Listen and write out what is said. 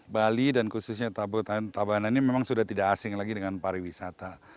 bali dan khususnya tabanan ini memang sudah tidak asing lagi dengan pariwisata